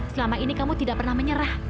selama ini kamu tidak pernah menyerah